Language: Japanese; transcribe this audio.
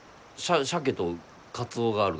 シャケとカツオがあるが。